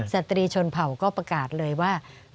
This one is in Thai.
สตรีชนเผ่าก็ประกาศเลยว่า